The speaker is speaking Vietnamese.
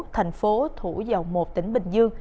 thành phố thủ dầu một tỉnh bình dương